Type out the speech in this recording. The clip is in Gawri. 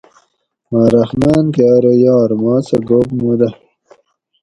مہۤ رحمٰن کہ ارو یار ما سہۤ گپ مُو دہ